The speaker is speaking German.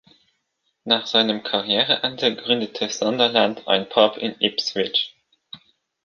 Nach seinem Karriereende gründete Sunderland ein Pub in Ipswich.